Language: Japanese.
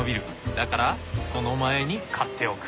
だからその前に刈っておく。